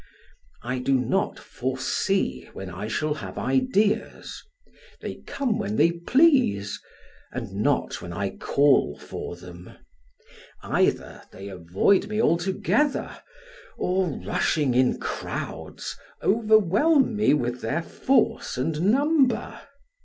I do not foresee when I shall have ideas; they come when they please, and not when I call for them; either they avoid me altogether, or rushing in crowds, overwhelm me with their force and number.